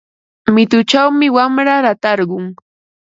Mituchawmi wamra ratarqun.